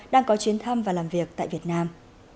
đang có chuyến thăm và làm việc tại việt nam